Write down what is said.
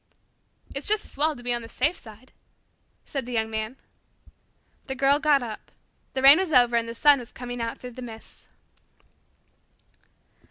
"It's just as well to be on the safe side," said the Young Man. The Girl got up. The rain was over and the sun was coming out through the mists.